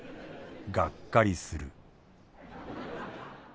がっかりする」。